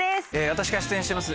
私が出演してます